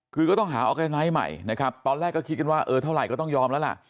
คือก็ต้องหาออร์แกไนท์ใหม่นะครับตอนแรกก็คิดกันว่าเออเท่าไหร่ก็ต้องยอมแล้วล่ะ